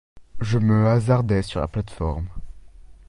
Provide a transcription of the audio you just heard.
Je me hasardai sur la plate-forme.